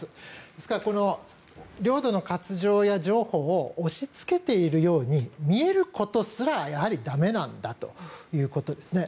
ですから、領土の割譲や譲歩を押しつけているように見えることすらやはり駄目なんだということですね。